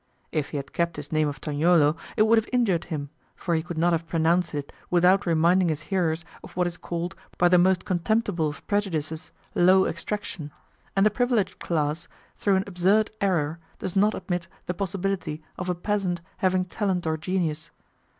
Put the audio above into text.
If he had kept his name of Tognolo it would have injured him, for he could not have pronounced it without reminding his hearers of what is called, by the most contemptible of prejudices, low extraction, and the privileged class, through an absurd error, does not admit the possibility of a peasant having talent or genius.